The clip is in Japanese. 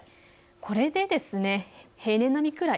これで平年並みくらい。